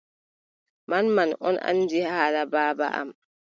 Manman ɗon anndi haala baaba am.